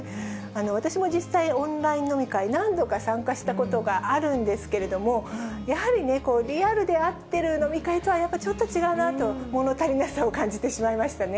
私も実際、オンライン飲み会、何度か参加したことがあるんですけれども、やはりリアルで会っている飲み会とはやっぱちょっと違うなと、物足りなさを感じてしまいましたね。